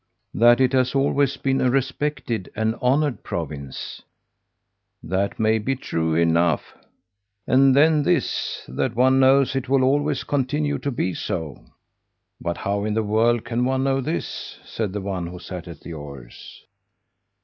"That it has always been a respected and honoured province." "That may be true enough." "And then this, that one knows it will always continue to be so." "But how in the world can one know this?" said the one who sat at the oars.